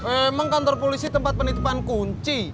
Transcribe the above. emang kantor polisi tempat penitipan kunci